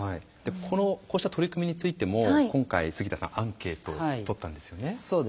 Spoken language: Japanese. こうした取り組みについても今回、杉田さんアンケートをとったんですよね。